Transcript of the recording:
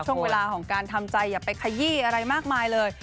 ช่วงเวลาของการทำใจอย่าไปขยี้อะไรมากมายเลย